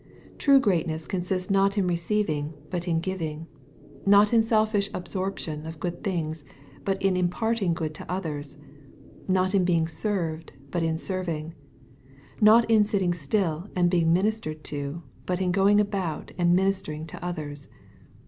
True greatness consists not in re ceiving, but in giving, — ^not in selfish absorption of good things, but in imparting good to others — not in being served, but in serving — not in sitting still and being min istered to, but in going about and ministering to others.